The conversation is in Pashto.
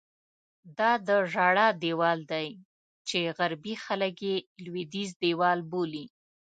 دا د ژړا دیوال دی چې غربي خلک یې لوېدیځ دیوال بولي.